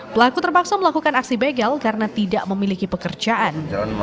pelaku terpaksa melakukan aksi begal karena tidak memiliki pekerjaan